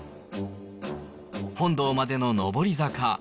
本堂までの上り坂。